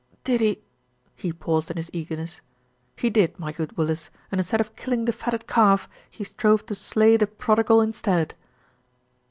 "Did he " He paused in his eagerness. "He did, my good Willis, and instead of killing the fatted calf, he strove to slay the prodigal instead."